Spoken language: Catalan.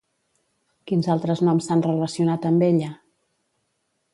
Quins altres noms s'han relacionat amb ella?